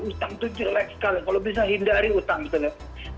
utang tuh jelek sekali kalau bisa hindari utang betul nggak